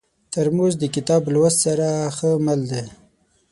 ترموز د کتاب لوست سره ښه مل دی.